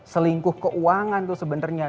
selingkuh keuangan tuh sebenarnya